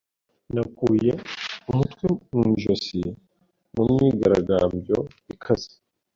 Nakuye umutwe mu ijosi mu myigaragambyo ikaze